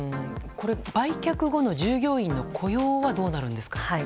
売却後の従業員の雇用はどうなるんですか？